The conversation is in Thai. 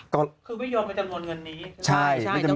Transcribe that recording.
คือไม่ยอมไปจำนวนเงินนี้